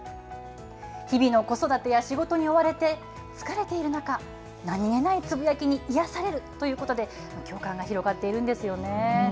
日々の子育てや仕事に追われて疲れている中、何気ないつぶやきに癒やされるということで、共感が広がっているんですよね。